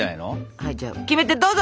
はいじゃあキメテどうぞ！